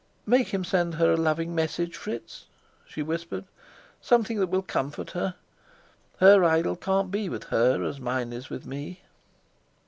"Make him send her a loving message, Fritz," she whispered. "Something that will comfort her. Her idol can't be with her as mine is with me."